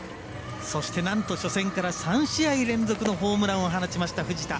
そして、なんと初戦から３試合連続のホームランを放ちました、藤田。